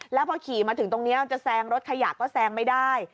แล้วพอขี่มาถึงตรงนี้จะแซงรถขยะก็แซงไม่ได้